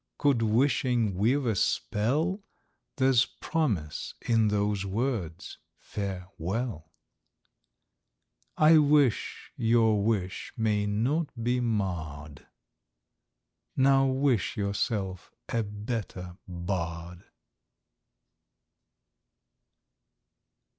—could wishing weave a spell, There's promise in those words "Fare well!" I wish your wish may not be marr'd;— Now wish yourself a better Bard!